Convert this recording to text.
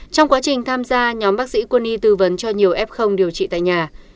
trong quá trình tham gia nhóm bác sĩ quân y tư vấn cho nhiều f điều trị tại nhà